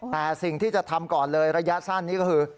แต่สิ่งที่จะทำก่อนเลยระยะสั้นนี้ก็คือ